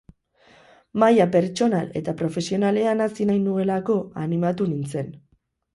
Maila pertsonal eta profesionalean hazi nahi nuelako animatu nintzen.